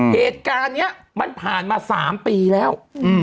เหตุการณ์นี้มันผ่านมา๓ปีแล้ว